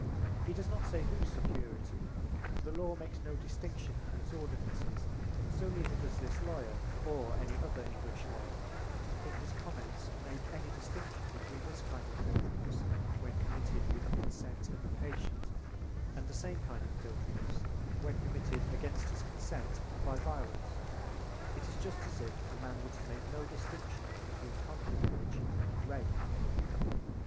He does not say whose security, for the law makes no distinction in its ordinances, so neither does this lawyer or any other English lawyer in his comments make any distinction between this kind of filthiness when committed with the consent of the patient and the same kind of filthiness when committed against his consent and by violence. It is just as if a man were to make no distinction between concubinage and rape.